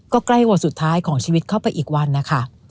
ก็ใกล้วันสุดท้ายของชีวิตเข้าไปอีกวันนะคะ